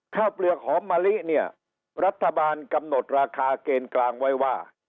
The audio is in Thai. เปลือกหอมมะลิเนี่ยรัฐบาลกำหนดราคาเกณฑ์กลางไว้ว่า